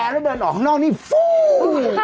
ถ้าปิดแอร์แล้วเดินออกข้างนอกนี่ฟู